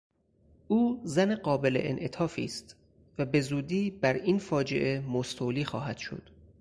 او زن قابل انعطافی است و بهزودی بر این فاجعه مستولی خواهد شد.